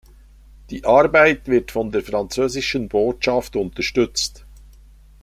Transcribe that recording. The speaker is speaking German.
Die Arbeit wird von der französischen Botschaft unterstützt.